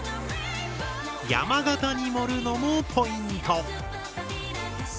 山型に盛るのもポイント。